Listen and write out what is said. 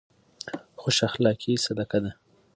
خوش اخلاقي صدقه ده.